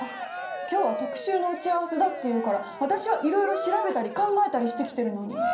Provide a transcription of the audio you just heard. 今日は特集の打ち合わせだっていうから私はいろいろ調べたり考えたりしてきてるのに。